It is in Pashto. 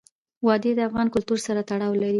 وادي د افغان کلتور سره تړاو لري.